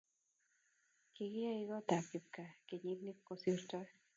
kikiyei koitab kipgaa kenyit ne kosirtoi